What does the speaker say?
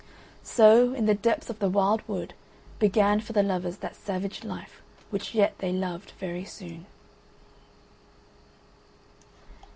So, in the depths of the wild wood began for the lovers that savage life which yet they loved very soon.